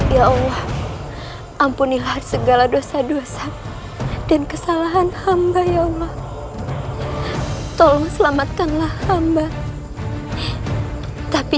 ya allah ampunilah segala dosa dosa dan kesalahan hamba ya allah tolong selamatkanlah hamba tapi